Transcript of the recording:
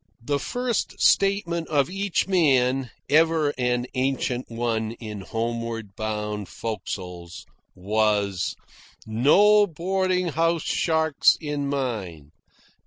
The first statement of each man ever an ancient one in homeward bound forecastles was: "No boarding house sharks in mine."